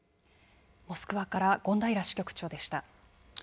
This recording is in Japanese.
モスクワから権平支局長でした。